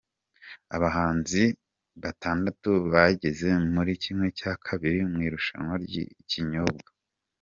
Abahanzi batandatu bageze muri kimwe cya kabiri mu irushanwa ry’ikinyobwa